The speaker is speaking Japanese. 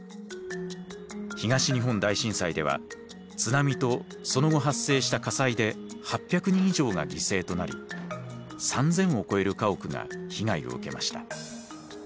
東日本大震災では津波とその後発生した火災で８００人以上が犠牲となり３，０００を超える家屋が被害を受けました。